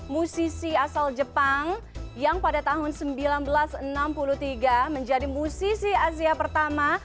musisi asal jepang yang pada tahun seribu sembilan ratus enam puluh tiga menjadi musisi asia pertama